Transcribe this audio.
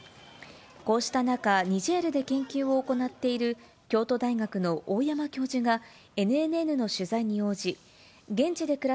こうした中、ニジェールで研究を行っている京都大学の大山教授が、ＮＮＮの取材に応じ、現地で暮ら